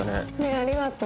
ありがとう。